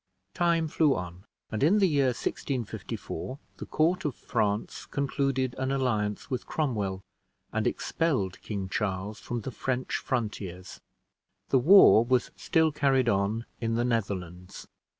Time flew on, and in the year 1654 the court of France concluded an alliance with Cromwell, and expelled King Charles from the French frontiers. The war was still carried on in the Netherlands.